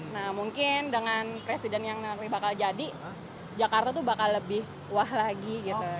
nah mungkin dengan presiden yang nanti bakal jadi jakarta tuh bakal lebih wah lagi gitu